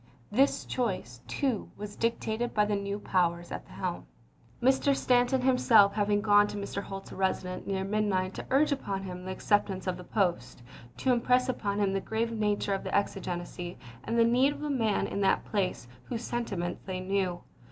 1 This choice, too, was dictated by the new powers at the helm — Mr. Stanton himself hav ing gone to Mr. Holt's residence near midnight to urge upon him the acceptance of the post, to impress upon him the grave nature of the exigency, and the need of a man in that place whose sentiments they knew.